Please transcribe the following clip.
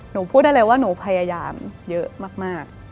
หนูพูดได้เลยว่าหนูพยายามเยอะมาก